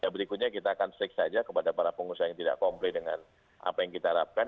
berikutnya kita akan strik saja kepada para pengusaha yang tidak komplain dengan apa yang kita harapkan